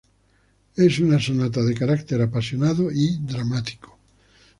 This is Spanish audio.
Es una sonata de carácter apasionado y dramático.